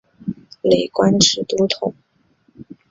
累官至都统。